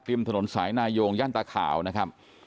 ถนนสายนายงย่านตาขาวนะครับ